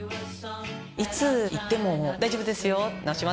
いつ行っても「大丈夫ですよ治しますよ」